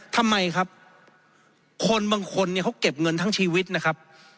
ทำไมครับคนบางคนเนี่ยเขาเก็บเงินทั้งชีวิตนะครับ